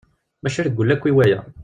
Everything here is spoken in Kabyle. Maca ireggel akk i waya.